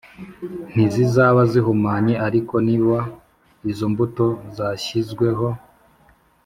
Ntizizaba zihumanye ariko niba izo mbuto zashyizweho